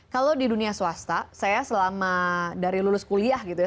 kalau di dunia swasta saya selama dari lulus kuliah gitu ya